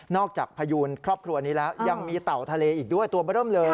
จากพยูนครอบครัวนี้แล้วยังมีเต่าทะเลอีกด้วยตัวเบอร์เริ่มเลย